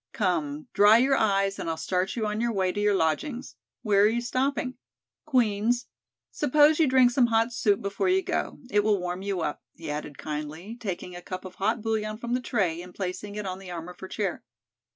Come, dry your eyes and I'll start you on your way to your lodgings. Where are you stopping?" "Queen's." "Suppose you drink some hot soup before you go. It will warm you up," he added kindly, taking a cup of hot bouillon from the tray and placing it on the arm of her chair.